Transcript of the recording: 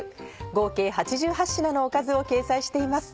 合計８８品のおかずを掲載しています。